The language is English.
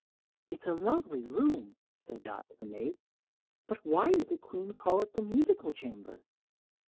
"It's a lovely room," said Dot to the maid; "but why did the Queen call it the musical chamber?"